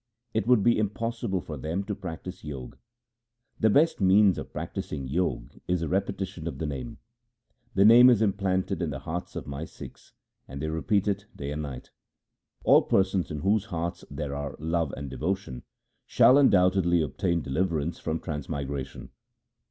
It would be impossible for them to practise Jog. The best means of practising Jog is the repetition of the Name. The Name is implanted in the hearts of my Sikhs, and they repeat it day and night. All persons in whose hearts there are love and devotion, shall undoubtedly obtain deliverance from trans migration.